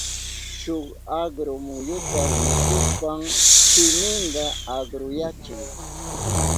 Shuk akru muyuta mikushpan shiminta akruyachin.